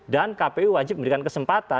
dan kpu wajib memberikan kesempatan